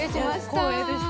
光栄でした。